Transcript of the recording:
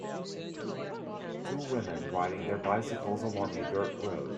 Two women riding their bicycles along a dirt road.